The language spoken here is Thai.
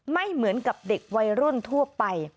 ไม่เหมือนกับเด็กวัยรุ่นทั่วไป